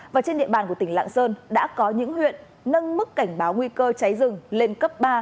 và trên địa bàn của tỉnh lạng sơn đã có những huyện nâng mức cảnh báo nguy cơ cháy rừng lên cấp ba